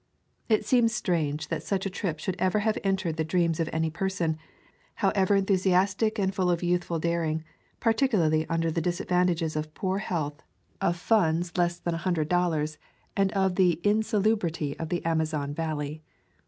It seems strange that such a trip should ever have entered the dreams of any person, however enthusiastic and full of youthful daring, particularly under the disad vantages of poor health, of funds less than a [ 169 ] A Thousand Mile Walk hundred dollars, and of the insalubrity of the Amazon Valley.